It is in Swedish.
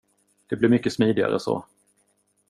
Det blir mycket smidigare så.